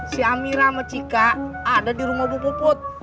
si amira sama cika ada di rumah bu put